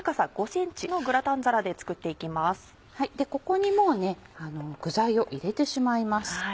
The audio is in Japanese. ここにもう具材を入れてしまいます。